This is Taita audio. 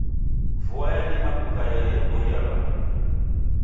Vua yadima kukaia yeboia wandu.